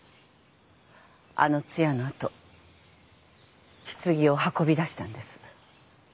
あの通夜の後棺を運び出したんです。